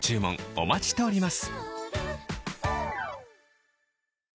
お待ちしております